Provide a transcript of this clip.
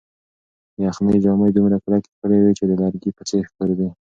یخنۍ جامې دومره کلکې کړې وې چې د لرګي په څېر ښکارېدې.